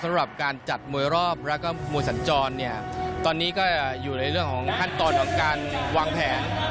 สำหรับการจัดมวยรอบแล้วก็มวยสัญจรเนี่ยตอนนี้ก็อยู่ในเรื่องของขั้นตอนของการวางแผน